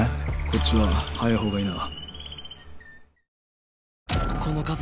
こっちは早い方がいいな。